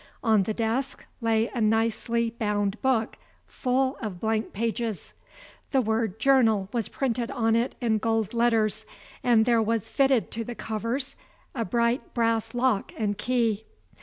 On the desk lay a nicely bound book, full of blank pages. The word "Journal" was printed on it in gold letters, and there was fitted to the covers a bright brass lock and key.